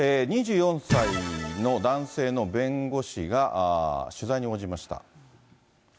２４歳の男性の弁護士が取材に応じました。